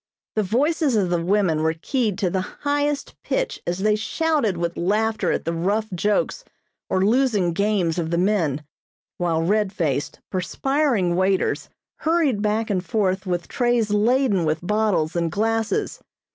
The voices of the women were keyed to the highest pitch as they shouted with laughter at the rough jokes or losing games of the men, while red faced, perspiring waiters hurried back and forth with trays laden with bottles and glasses.